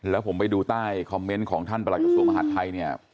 แล้วผมไปดูใต้คอมเมนต์ของท่านประหลักกระทรวงมหาดไทยเนี่ย